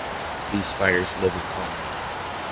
These spiders live in colonies.